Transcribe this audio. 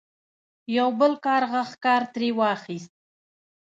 یو بل کارغه ښکار ترې واخیست.